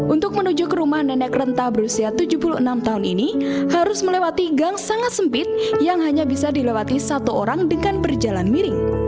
untuk menuju ke rumah nenek renta berusia tujuh puluh enam tahun ini harus melewati gang sangat sempit yang hanya bisa dilewati satu orang dengan berjalan miring